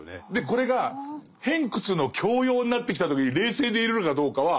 これが偏屈の強要になってきた時に冷静でいれるかどうかは。